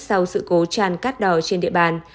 sau sự cố tràn cát đỏ trên địa bàn